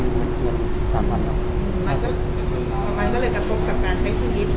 อ๋อมันก็เลยกระโกดกกับการใช้ชีวิต